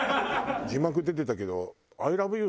字幕出てたけど。